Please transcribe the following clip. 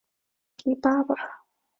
区块链是今年最火热的科技趋势了